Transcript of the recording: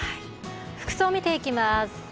服装を見ていきます。